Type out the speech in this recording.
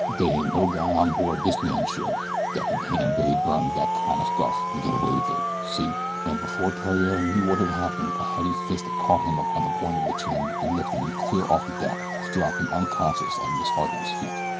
Dey ain't no guy on board dis man's ship dat can hand Billy Byrne dat kin' o' guff an' get away with it see?" and before Theriere knew what had happened a heavy fist had caught him upon the point of the chin and lifted him clear off the deck to drop him unconscious at Miss Harding's feet.